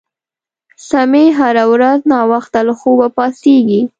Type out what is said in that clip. سمیع هره ورځ ناوخته له خوبه پاڅیږي